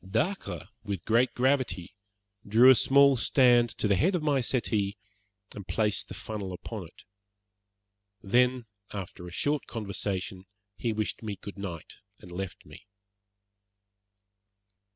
Dacre, with great gravity, drew a small stand to the head of my settee, and placed the funnel upon it. Then, after a short conversation, he wished me good night and left me.